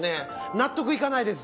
納得いかないです！